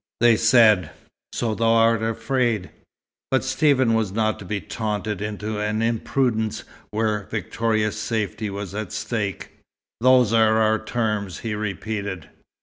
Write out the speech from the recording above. They said "So thou art afraid!" But Stephen was not to be taunted into an imprudence where Victoria's safety was at stake. "Those are our terms," he repeated.